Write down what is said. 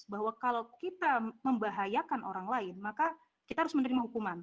bahwa kalau kita membahayakan orang lain maka kita harus menerima hukuman